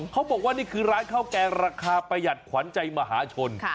เขาบอกว่านี่คือร้านข้าวแกงราคาประหยัดขวัญใจมหาชน